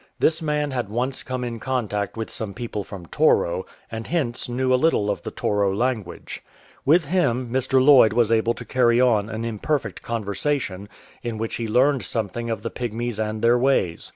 This man had once come in contact with some people from Toro, and hence knew a little of the Toro language. With him, Mr. Lloyd was able to carry on an imperfect conversation, in which he learned something of the Pygmies and their ways.